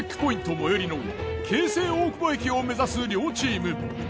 最寄りの京成大久保駅を目指す両チーム。